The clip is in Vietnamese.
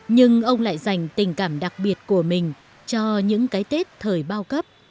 nhưng ông lại dành tình cảm đặc biệt của mình cho những cái tết thời bao cấp